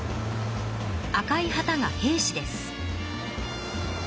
赤い旗が平氏です。